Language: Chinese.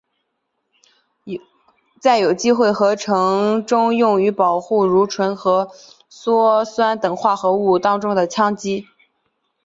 在有机合成中用于保护如醇和羧酸等化合物当中的羟基。